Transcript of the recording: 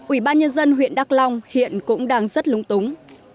ủy ban nhân dân huyện đắk long hiện cũng đang rất lúng túng